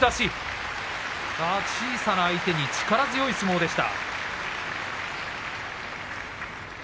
小さな力士に力強い相撲でした。